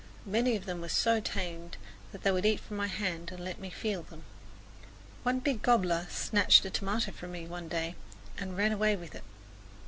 Many of them were so tame that they would eat from my hand and let me feel them. One big gobbler snatched a tomato from me one day and ran away with it.